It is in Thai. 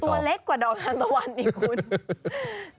ตัวเล็กกว่าดอกทานตะวันอีกคุณ